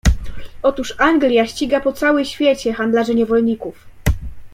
Otóż Anglia ściga po cały świecie handlarzy niewolników.